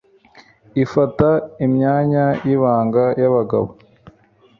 ifata imyanya y'ibanga y'abagabo